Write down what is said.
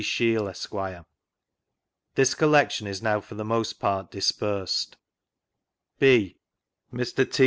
Shiel, Esq, This collection is now for the most part dispersed. {b) Mr. T.